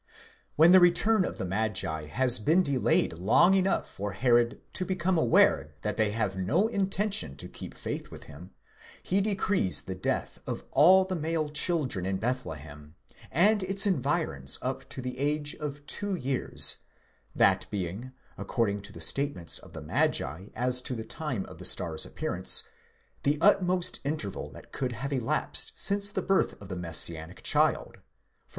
7 When the return of the magi has been delayed long enough for Herod to become aware that they have no intention to keep faith with him, he decrees the death of all the male children in Bethlehem and its environs up to the age of two years, that being, according to the statements of the magi as to the time of the star's appearance, the utmost interval that could have elapsed since the birth of the Messianic child (16 18).